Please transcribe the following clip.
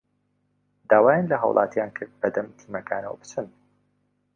داوایان لە هاوڵاتیان کرد بەدەم تیمەکانەوە بچن